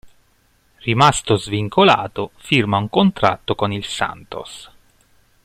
Rimasto svincolato, firma un contratto con il Santos.